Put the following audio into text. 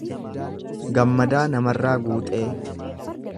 Gammadaa Namarraa Guuxee